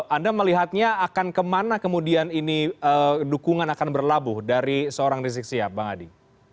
anda melihatnya akan kemana kemudian ini dukungan akan berlabuh dari seorang rizik sihab bang adi